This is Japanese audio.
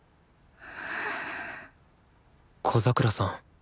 小桜さん